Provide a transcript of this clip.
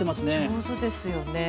上手ですよね。